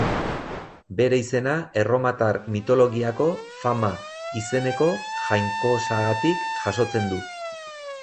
Bere izena, erromatar mitologiako Fama izeneko jainkosagatik jasotzen du.